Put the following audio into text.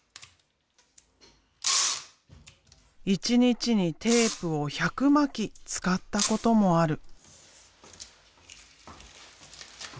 一日にテープを１００巻使ったこともある。